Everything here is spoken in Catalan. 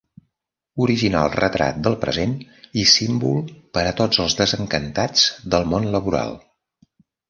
Original retrat del present i símbol per a tots els desencantats del món laboral.